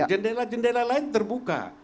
jendela jendela lain terbuka